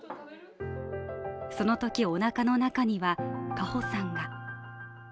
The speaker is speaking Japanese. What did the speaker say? そのとき、おなかの中には花保さんが。